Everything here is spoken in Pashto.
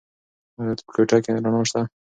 ایا په کوټه کې رڼا شته؟